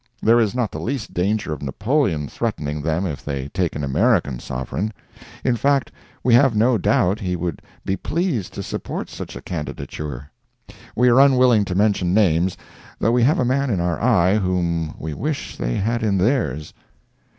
There is not the least danger of Napoleon threatening them if they take an American sovereign; in fact, we have no doubt he would be pleased to support such a candidature. We are unwilling to mention names—though we have a man in our eye whom we wish they had in theirs.